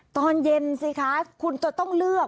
ตอนเย็นสิคะคุณจะต้องเลือก